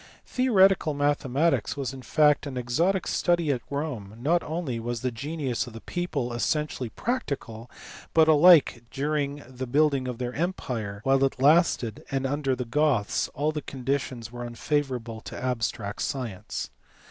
Theoretical mathematics was in fact an exotic study at Rome ; not only was the genius of the people essentially prac tical, but, alike during the building of their empire, while it lasted, and under the Goths, all the conditions were unfavour able to abstract science.